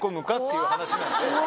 いう話なんで。